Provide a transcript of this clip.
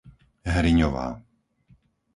Hriňová